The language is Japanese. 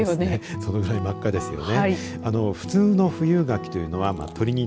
そのくらい真っ赤ですよね。